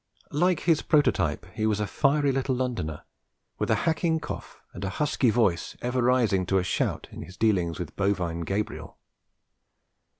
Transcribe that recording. Like his prototype he was a fiery little Londoner, with a hacking cough and a husky voice ever rising to a shout in his dealings with bovine Gabriel.